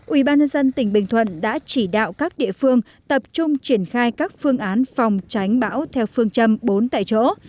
ubnd tỉnh bình thuận đã chỉ đạo các địa phương tập trung triển khai các phương án phòng tránh bão theo phương châm bốn tại chỗ